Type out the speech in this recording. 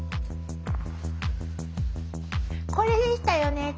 これでしたよね